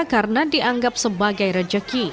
karena dianggap sebagai rejeki